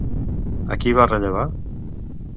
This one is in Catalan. A qui va rellevar?